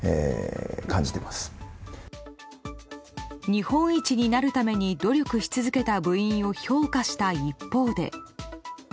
日本一になるために努力し続けた部員を評価した一方で。